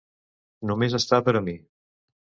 Només està per a mi!